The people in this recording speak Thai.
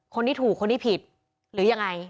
คนที่ถูกคนที่ผิดหรือยังไง